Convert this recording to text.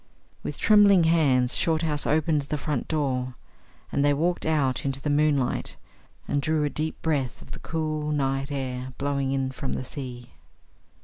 With trembling hands Shorthouse opened the front door, and they walked out into the moonlight and drew a deep breath of the cool night air blowing in from the sea.